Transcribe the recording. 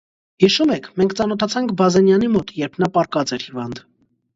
Հիշո՞ւմ եք, մենք ծանոթացանք Բազենյանի մոտ, երբ նա պառկած էր հիվանդ: